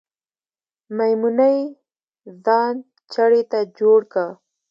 میمونۍ ځان چړې ته جوړ که